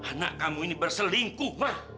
anak kamu ini berselingkuh mah